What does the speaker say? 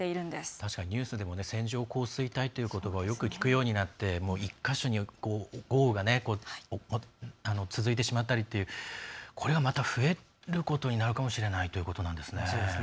確かにニュースでも線状降水帯ということばをよく聞くようになって１か所に豪雨が続いてしまったりこれがまた増えることになるかもしれないということなんですね。